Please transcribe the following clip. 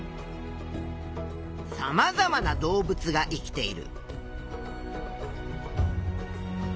さまざまな動物が生きている。